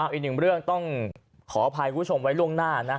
อีกหนึ่งเรื่องต้องขออภัยคุณผู้ชมไว้ล่วงหน้านะ